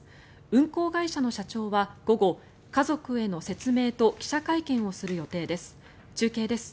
運航会社の社長は午後家族への説明と記者会見をする予定です。